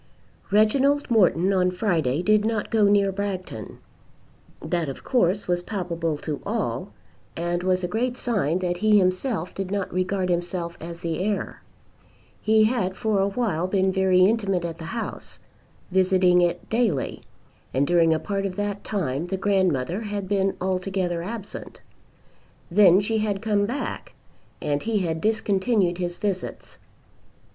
Reginald Morton on Friday did not go near Bragton. That of course was palpable to all, and was a great sign that he himself did not regard himself as the heir. He had for awhile been very intimate at the house, visiting it daily and during a part of that time the grandmother had been altogether absent. Then she had come back, and he had discontinued his visits.